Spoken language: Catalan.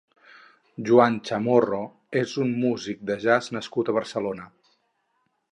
Joan Chamorro és un músic de Jazz nascut a Barcelona.